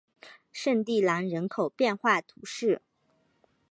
圣蒂兰人口变化图示